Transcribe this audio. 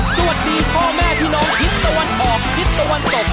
สวัสดีพ่อแม่พี่น้องทิศตะวันออกทิศตะวันตก